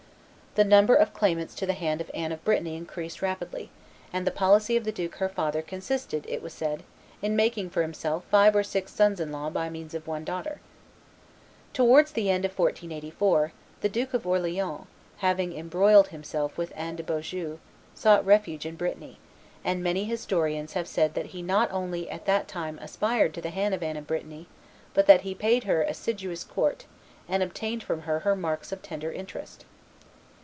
The number of claimants to the hand of Anne of Brittany increased rapidly; and the policy of the duke her father consisted, it was said, in making for himself five or six sons in law by means of one daughter. Towards the end of 1484, the Duke of Orleans, having embroiled himself with Anne de Beaujeu, sought refuge in Brittany; and many historians have said that he not only at that time aspired to the hand of Anne of Brittany, but that he paid her assiduous court and obtained from her marks of tender interest.